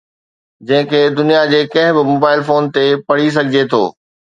جنهن کي دنيا جي ڪنهن به موبائيل فون تي پڙهي سگهجي ٿو